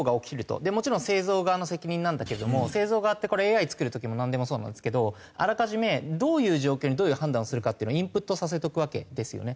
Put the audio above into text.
もちろん製造側の責任なんだけれども製造側ってＡＩ作る時もなんでもそうなんですけどあらかじめどういう条件でどういう判断をするかというのはインプットさせておくわけですよね。